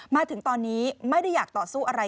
มาถึงตอนนี้ไม่ได้อยากต่อสู้อะไร